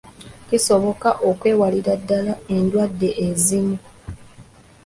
Kisoboka okwewalira ddala endwadde ezimu.